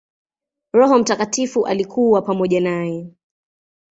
Roho Mtakatifu alikuwa pamoja naye.